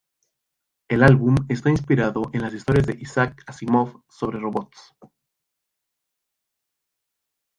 El álbum está inspirado en las historias de Isaac Asimov sobre robots.